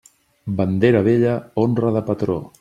Bandera vella, honra de patró.